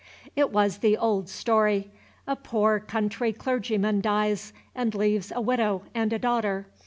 It was the old story. A poor country clergyman dies, and leaves a widow and a daughter.